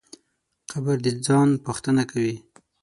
قبر د ځان پوښتنه کوي.